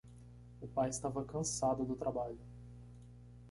O pai estava cansado do trabalho.